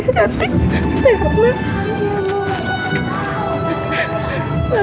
rakan sama mama